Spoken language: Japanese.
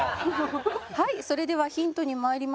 はいそれではヒントにまいりましょうか。